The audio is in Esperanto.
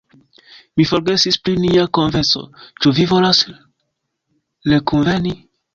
Mi forgesis pri nia kunveno, ĉu vi volas rekunveni?